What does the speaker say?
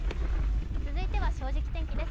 続いては「正直天気」です。